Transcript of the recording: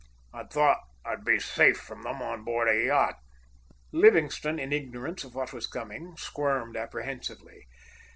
I thought I'd be safe from them on board a yacht." Livingstone, in ignorance of what was coming, squirmed apprehensively.